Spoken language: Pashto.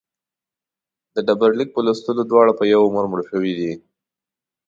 د ډبرلیک په لوستلو دواړه په یوه عمر مړه شوي دي.